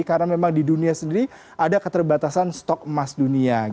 karena memang di dunia sendiri ada keterbatasan stok emas dunia